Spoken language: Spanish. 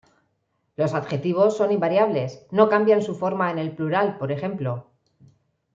Los adjetivos son invariables, no cambian su forma en el plural, por ejemplo.